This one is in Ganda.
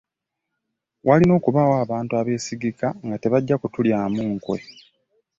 Walina okubaawo abantu abeesigika nga tebajja kutulyamu nkwe.